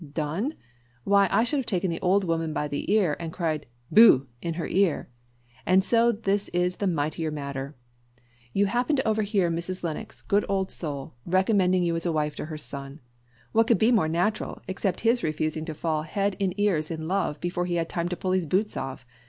"Done! why, I should have taken the old woman by the shoulder, and cried Boh! in her ear. And so this is the mighty matter! You happen to overhear Mrs. Lennox, good old soul! recommending you as a wife to her son. What could be more natural except his refusing to fall head in ears in love before he had time to pull his boots off.